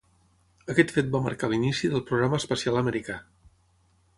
Aquest fet va marcar l'inici del programa espacial americà.